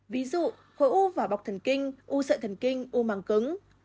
ví dụ khổ u vào bọc thần kinh u sợi thần kinh u màng cứng